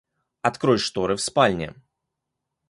Открой шторы в спальне.